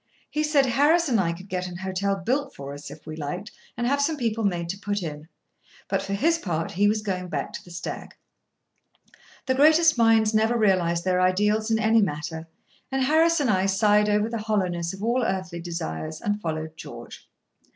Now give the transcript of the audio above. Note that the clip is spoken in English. He said Harris and I could get an hotel built for us, if we liked, and have some people made to put in. For his part, he was going back to the Stag. The greatest minds never realise their ideals in any matter; and Harris and I sighed over the hollowness of all earthly desires, and followed George.